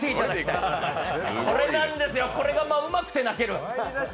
これなんですよ、これがうまくて泣ける。